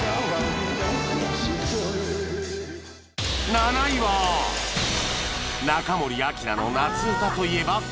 ７位は中森明菜の夏うたといえばこれ